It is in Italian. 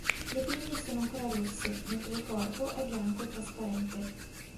Le pinne sono ancora rosse, mentre il corpo è bianco o trasparente.